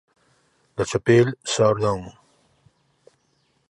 La Chapelle-sur-Dun